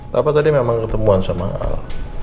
apa tadi memang ketemuan sama al